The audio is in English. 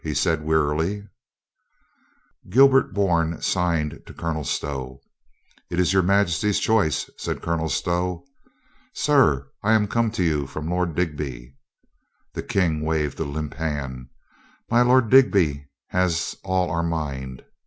he said wear iiy Gilbert Bourne signed to Colonel Stow. "It is your Majesty's choice," said Colonel Stow. "Sir, I am come to you from my Lord Digby —" The King waved a limp hand. "My Lord Digby has all our mind."